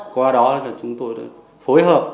qua đó là chúng tôi đã phối hợp